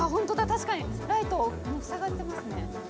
確かにライト塞がってますね。